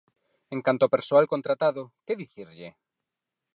En canto ao persoal contratado, ¿que dicirlle?